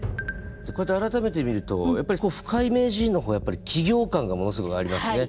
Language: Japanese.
こうやって改めて見ると深井名人の方は企業感がものすごいありますね。